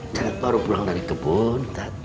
saat baru pulang dari kebun